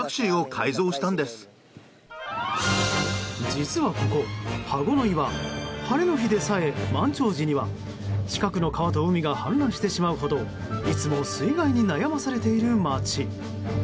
実はここ、ハゴノイは晴れの日でさえ満潮時には近くの川と海が氾濫してしまうほどいつも水害に悩まされている街。